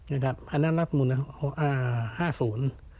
อันนั้นรัฐมนุน๕๐